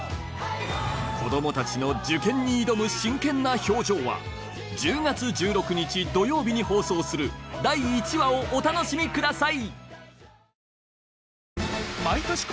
子供たちの受験に挑む真剣な表情は１０月１６日土曜日に放送する第１話をお楽しみください